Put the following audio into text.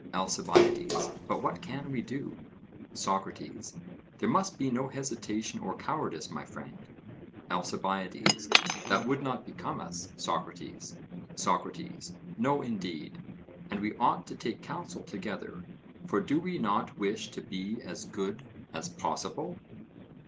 ALCIBIADES: But what can we do? SOCRATES: There must be no hesitation or cowardice, my friend. ALCIBIADES: That would not become us, Socrates. SOCRATES: No, indeed, and we ought to take counsel together: for do we not wish to be as good as possible?